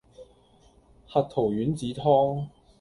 核桃丸子湯